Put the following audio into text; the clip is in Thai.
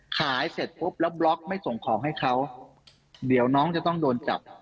เสร็จปุ๊บแล้วบล็อกไม่ส่งของให้เขาเดี๋ยวน้องจะต้องโดนจับ